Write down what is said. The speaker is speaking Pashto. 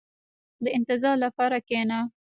• د انتظار لپاره کښېنه.